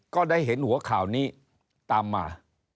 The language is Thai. ก็ได้เห็นหัวข่าวนี้ตามมา